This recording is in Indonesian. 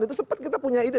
itu sempat kita punya ide